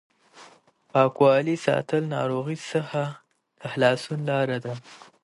د پاکوالي ساتل د ناروغۍ څخه د خلاصون لار ده.